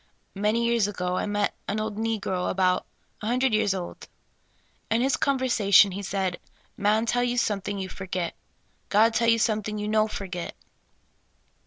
Many years ago, I met an old negro, about a hun dred years old. In his conversation, he said :'' Man tell something you forgit ; God tell you something you no forgit."